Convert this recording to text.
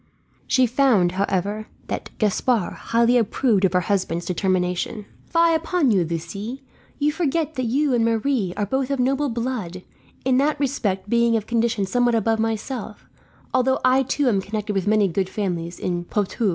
She found, however, that Gaspard highly approved of her husband's determination. "Fie upon you, Lucie. You forget that you and Marie are both of noble blood, in that respect being of condition somewhat above myself, although I too am connected with many good families in Poitou.